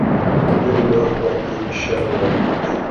په بېلو بېلو برخو باندې فشار وارد کړئ.